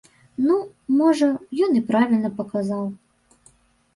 Ну, можа, ён і правільна паказаў.